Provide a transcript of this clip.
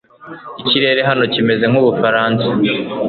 Ikirere hano kimeze nkubufaransa